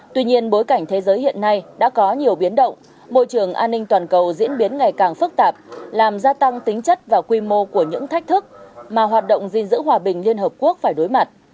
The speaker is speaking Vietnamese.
tuy nhiên bối cảnh thế giới hiện nay đã có nhiều biến động môi trường an ninh toàn cầu diễn biến ngày càng phức tạp làm gia tăng tính chất và quy mô của những thách thức mà hoạt động gìn giữ hòa bình liên hợp quốc phải đối mặt